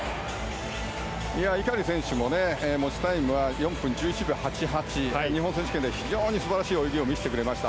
井狩選手も、持ちタイムは４分１１秒８８で日本選手権で非常に素晴らしい泳ぎを見せてくれました。